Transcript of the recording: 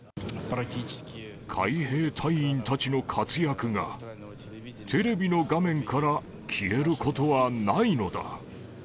海兵隊員たちの活躍が、テレビの画面から消えることはないのだ。